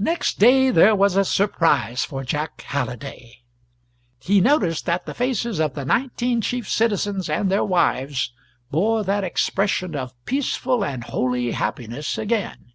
Next day there was a surprise for Jack Halliday. He noticed that the faces of the nineteen chief citizens and their wives bore that expression of peaceful and holy happiness again.